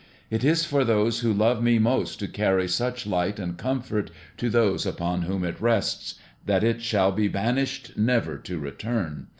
It is for those who love me most to carry such light and comfort to those upon whom it rests, that it shall be banished never to return.